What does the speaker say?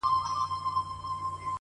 o نن مي بيا يادېږي ورځ تېرېږي،